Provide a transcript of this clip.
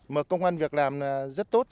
mà công an việc làm rất tốt